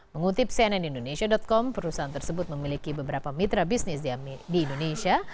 mengutip cnn indonesia com perusahaan tersebut memiliki beberapa mitra bisnis di indonesia